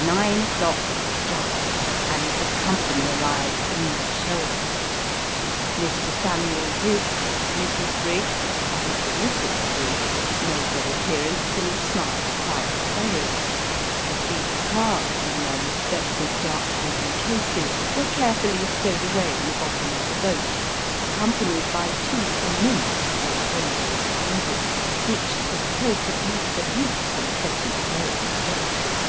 Nine o'clock struck, and the company arrived in shoals. Mr. Samuel Briggs, Mrs. Briggs, and the Misses Briggs, made their appearance in a smart private wherry. The three guitars, in their respective dark green cases, were carefully stowed away in the bottom of the boat, accompanied by two immense portfolios of music, which it would take at least a week's incessant playing to get through.